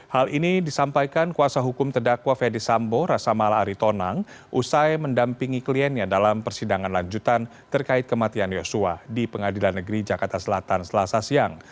hal ini disampaikan kuasa hukum terdakwa ferdis sambo rasa mala aritonang usai mendampingi kliennya dalam persidangan lanjutan terkait kematian yosua di pengadilan negeri jakarta selatan selasa siang